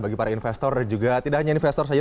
bagi para investor juga tidak hanya investor saja